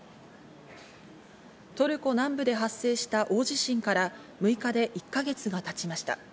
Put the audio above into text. トルコ南部で発生した大地震から６日で１か月が経ちました。